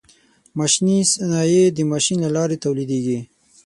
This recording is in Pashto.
ماشیني صنایع د ماشین له لارې تولیدیږي.